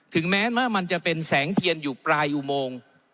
แม้ว่ามันจะเป็นแสงเทียนอยู่ปลายอุโมง